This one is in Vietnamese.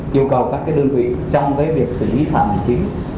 yêu cầu các cái đơn vị trong cái việc xử lý phạm hình chính